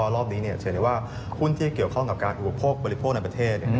รอบนี้จะเห็นได้ว่าหุ้นที่เกี่ยวข้องกับการอุปโภคบริโภคในประเทศ